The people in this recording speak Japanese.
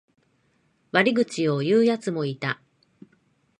悪口を言うやつもいた。